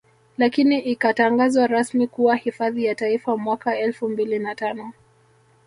Lakini ikatangazwa rasmi kuwa hifadhi ya Taifa mwaka Elfu mbili na tano